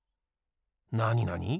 なになに？